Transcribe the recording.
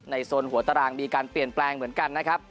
โซนหัวตารางมีการเปลี่ยนแปลงเหมือนกันนะครับ